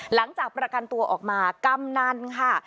หลังจากประกันตัวออกมากำนันค่ะ